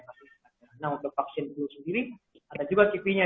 nah untuk vaksin flu sendiri ada juga kipi nya